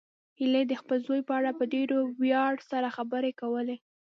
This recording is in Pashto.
هغې د خپل زوی په اړه په ډېر ویاړ سره خبرې کولې